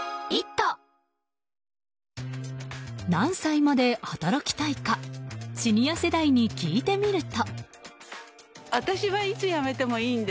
何歳まで働きたいかシニア世代に聞いてみると。